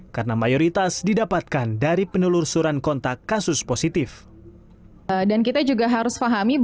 karena mayoritas didapatkan dari penelur suran kontak kasus positif